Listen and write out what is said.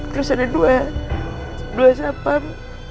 terus ada dua dua sapam